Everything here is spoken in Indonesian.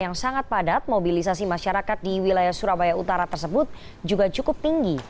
yang sangat padat mobilisasi masyarakat di wilayah surabaya utara tersebut juga cukup tinggi